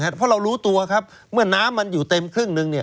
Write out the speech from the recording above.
เพราะเรารู้ตัวครับเมื่อน้ำมันอยู่เต็มครึ่งหนึ่ง